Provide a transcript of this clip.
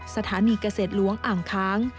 สถานีเกษตรหลวงอ่างค้าง